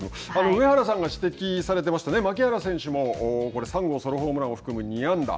上原さんが指摘されてました牧原選手も３号ソロホームランを含む２安打。